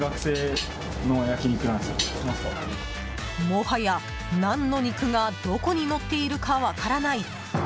もはや、何の肉がどこにのっているか分からない